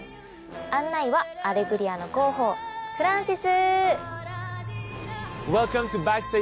案内は『アレグリア』の広報フランシス！